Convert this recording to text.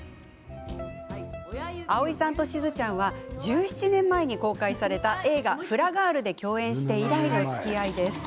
蒼井さんと、しずちゃんは１７年前に公開された映画「フラガール」で共演して以来のつきあいです。